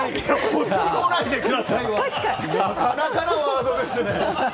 こっち来ないでくださいはなかなかなワードですね。